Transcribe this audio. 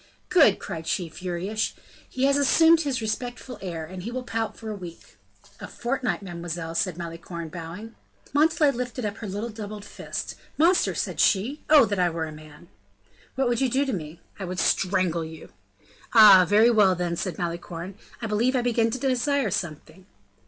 "Good!" cried she, furious; "he has assumed his respectful air and he will pout for a week." "A fortnight, mademoiselle," said Malicorne, bowing. Montalais lifted up her little doubled fist. "Monster!" said she; "oh! that I were a man!" "What would you do to me?" "I would strangle you." "Ah! very well, then," said Malicorne; "I believe I begin to desire something."